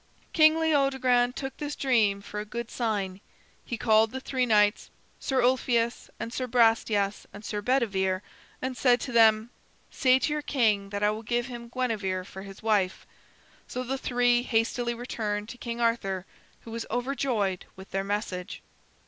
King Leodogran took this dream for a good sign. He called the three knights, Sir Ulfius and Sir Brastias and Sir Bedivere, and said to them: "Say to your king that I will give him Guinevere for his wife." So the three hastily returned to King Arthur, who was overjoyed with their message.